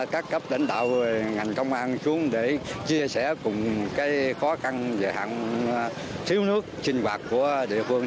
các cấp đánh đạo ngành công an xuống để chia sẻ cùng khó khăn về hạn thiếu nước trên bạc của địa phương